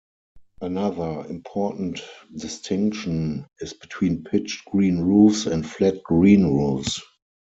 Another important distinction is between pitched green roofs and flat green roofs.